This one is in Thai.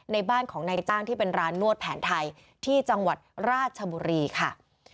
บ้านของนายจ้างที่เป็นร้านนวดแผนไทยที่จังหวัดราชบุรีค่ะ